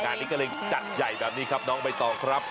งานนี้ก็เลยจัดใหญ่แบบนี้ครับน้องใบตองครับ